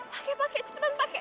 pakai pakai cepetan pakai